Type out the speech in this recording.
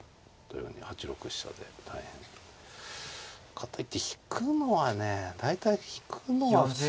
かといって引くのはね大体引くのは普通